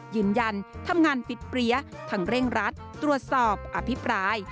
ยืนยันทำงานปิดเปรี้ยทั้งเร่งรัดตรวจสอบอภิปราย